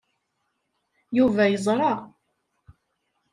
Yuba yeẓra.